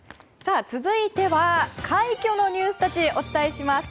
続いては快挙のニュースたちをお伝えします。